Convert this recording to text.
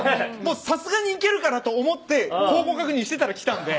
さすがに行けるかと思って後方確認していたら来たんで。